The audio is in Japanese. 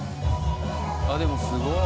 「でもすごい！」